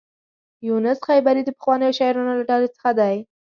یونس خیبري د پخوانیو شاعرانو له ډلې څخه دی.